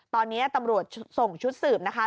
ตอนนี้ตำรวจส่งชุดสืบนะคะ